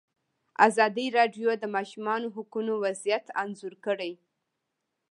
ازادي راډیو د د ماشومانو حقونه وضعیت انځور کړی.